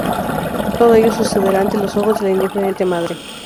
Todo ello sucederá ante los ojos de la indiferente madre.